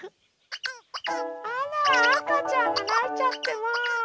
あらあかちゃんがないちゃってまあ。